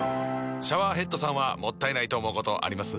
シャワーヘッドさんはもったいないと思うことあります？